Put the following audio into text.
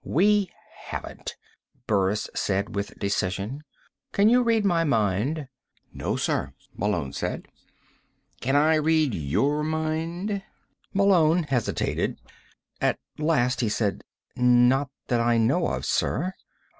"We haven't," Burris said with decision. "Can you read my mind?" "No, sir," Malone said. "Can I read your mind?" Malone hesitated. At last he said: "Not that I know of, sir."